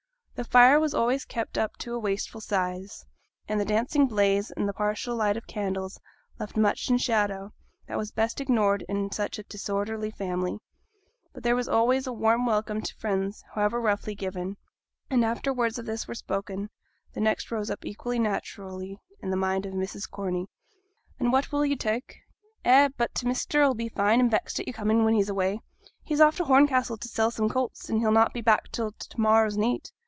The fire was always kept up to a wasteful size, and the dancing blaze and the partial light of candles left much in shadow that was best ignored in such a disorderly family. But there was always a warm welcome to friends, however roughly given; and after the words of this were spoken, the next rose up equally naturally in the mind of Mrs Corney. 'And what will ye tak'? Eh! but t' measter 'll be fine and vexed at your comin' when he's away. He's off to Horncastle t' sell some colts, and he'll not be back till to morrow's neet.